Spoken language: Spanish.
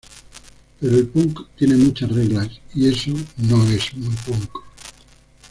Pero el punk tiene muchas reglas, y eso no es muy Punk.